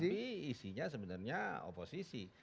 tapi isinya sebenarnya oposisi